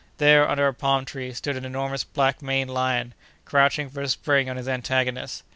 There, under a palm tree, stood an enormous black maned lion, crouching for a spring on his antagonist.